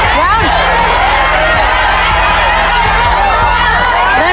เยี่ยม